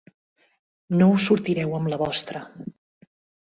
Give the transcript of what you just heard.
No us sortireu amb la vostra.